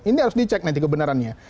ini harus dicek nanti kebenarannya